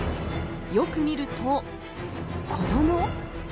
よく見ると、子供？